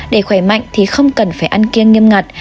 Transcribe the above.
để khỏe mạnh thì không cần phải ăn kiêng nghiêm ngặt